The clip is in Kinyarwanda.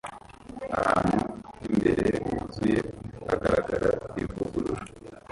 Ahantu h'imbere huzuye hagaragara ivugurura